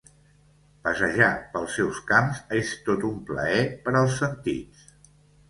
Passejar pels seus camps és tot un plaer per als sentits.